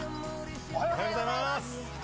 おはようございます。